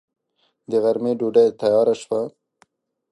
د غرمې ډوډۍ تياره شوه.